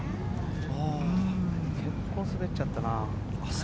結構、滑っちゃったな。